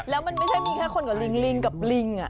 แล้วมันไม่ใช่มีแค่คนกับลิงลิงกับลิง